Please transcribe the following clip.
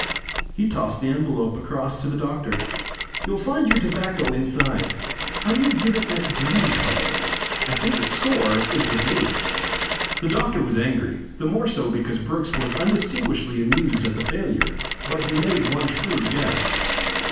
He tossed the envelope across to the doctor. "You'll find your tobacco inside how do you give it that green colour? I think the score is with me." The doctor was angry, the more so because Brookes was undisguisedly amused at the failure. But he made one shrewd guess.